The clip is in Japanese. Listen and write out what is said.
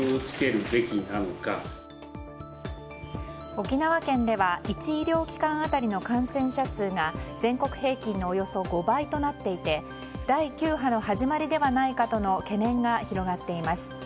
沖縄県では１医療機関当たりの感染者数が全国平均のおよそ５倍となっていて第９波の始まりではないかとの懸念が広がっています。